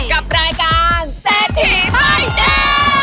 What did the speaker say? กับรายการเศสผิวไฯแด่